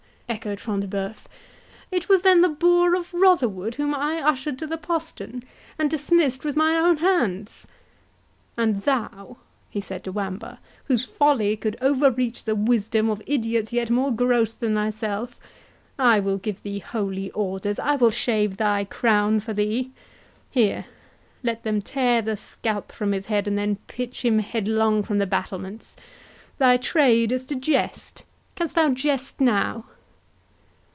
echoed Front de Bœuf, "it was then the boar of Rotherwood whom I ushered to the postern, and dismissed with my own hands!—And thou," he said to Wamba, "whose folly could overreach the wisdom of idiots yet more gross than thyself—I will give thee holy orders—I will shave thy crown for thee!—Here, let them tear the scalp from his head, and then pitch him headlong from the battlements—Thy trade is to jest, canst thou jest now?"